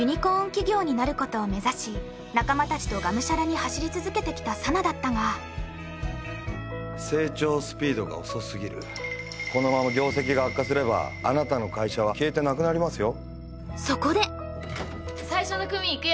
企業になることを目指し仲間達とがむしゃらに走り続けてきた佐奈だったが成長スピードが遅すぎるこのまま業績が悪化すればあなたの会社は消えてなくなりますよ